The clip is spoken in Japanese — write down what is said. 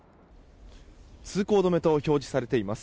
通行止めと表示されています。